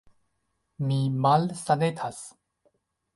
Mi malsanetas.